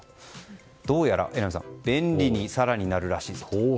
どうやら榎並さん便利に更になるそうです。